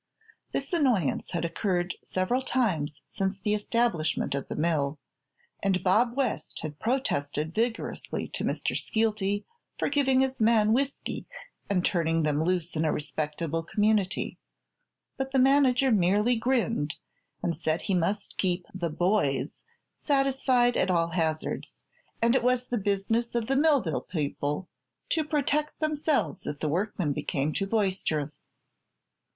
This annoyance had occurred several times since the establishment of the mill, and Bob West had protested vigorously to Mr. Skeelty for giving his men whiskey and turning them loose in a respectable community; but the manager merely grinned and said he must keep "the boys" satisfied at all hazards, and it was the business of the Millville people to protect themselves if the workmen became too boisterous.